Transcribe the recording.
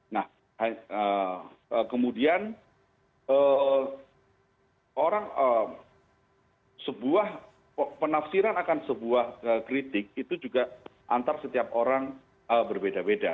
nah kemudian orang sebuah penafsiran akan sebuah kritik itu juga antar setiap orang berbeda beda